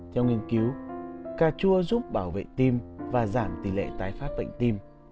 theo nghiên cứu cà chua giúp bảo vệ tim và giảm tỷ lệ tái phát bệnh tim